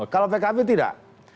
kalau pkb tidak